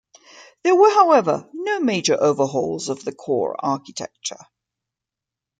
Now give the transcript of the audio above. There were, however, no major overhauls of the core architecture.